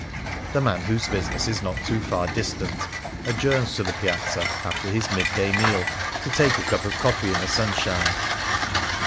The man whose business is not too far distant adjourns to the Piazza after his mid day meal to take a cup of coffee in the sunshine.